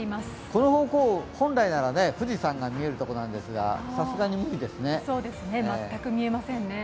この方向、本来なら富士山が見えるところなんですが全く見えませんね。